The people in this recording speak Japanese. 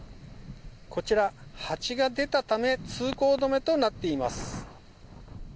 こちら、蜂が出たため通行止めとなっています。